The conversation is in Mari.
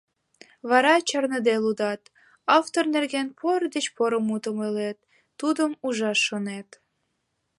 Вара чарныде лудат, автор нерген поро деч поро мутым ойлет, тудым ужаш шонет.